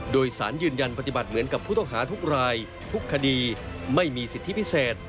โดยสารยืนยันปฏิบัติเหมือนกับผู้ต้องหาทุกรายทุกคดีไม่มีสิทธิพิเศษ